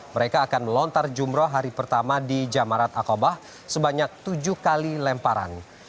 mereka akan melontar jumroh hari pertama di jamarat akobah sebanyak tujuh kali lemparan